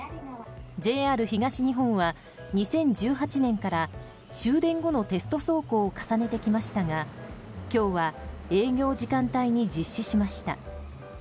ＪＲ東日本は２０１８年から終電後のテスト走行を重ねてきましたが今日は営業時間帯に実施しました。